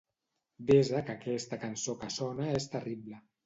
Desa que aquesta cançó que sona és terrible.